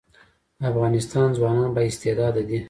د افغانستان ځوانان با استعداده دي